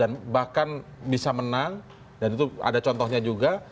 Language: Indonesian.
dan bahkan bisa menang dan itu ada contohnya juga